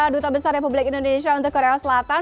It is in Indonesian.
duta besar republik indonesia untuk korea selatan